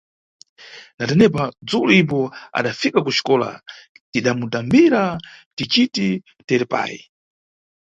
Natepa, dzulo ipo adafika kuxikola tidamutambira ticiti terepayi.